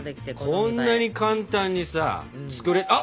こんなに簡単にさ。あ！